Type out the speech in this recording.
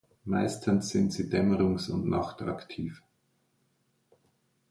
Meistens sind sie dämmerungs- und nachtaktiv.